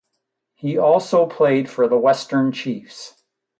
He also played for The Western Chiefs.